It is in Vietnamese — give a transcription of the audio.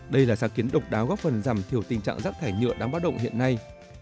đây là sáng kiến độc đáo góp phần giảm thiểu tình trạng rác thải nhựa đang bắt động hiện nay